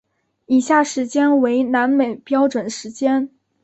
以下时间为南美标准时间。